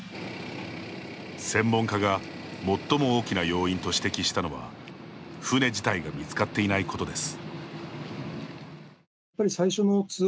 専門家が最も大きな要因と指摘したのは、船自体が見つかっていないことです。